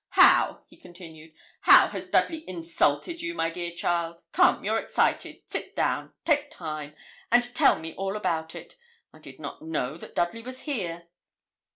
'How?' he continued; 'how has Dudley insulted you, my dear child? Come, you're excited; sit down; take time, and tell me all about it. I did not know that Dudley was here.'